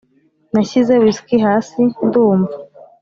nashyize whisky hasi ndumva